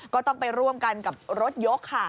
ก็ต้องไปร่วมกันกับรถยกค่ะ